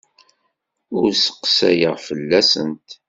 Ur sseqsayeɣ fell-asent.